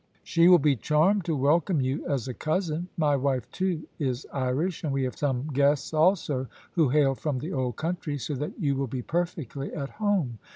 She will be charmed to welcome you as a cousin. My wife, too, is Irish, and we have some guests also who hail from the old country, so that you will be perfectly at home.